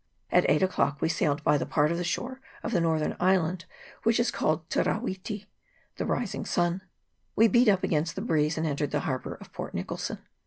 At eight o'clock we sailed by the part of the shore of the northern island which is called Te ra witi (the rising sun). We beat up against the breeze, and entered the harbour of Port Nicholson.